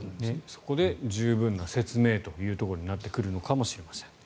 そこで十分な説明ということになってくるのかもしれません。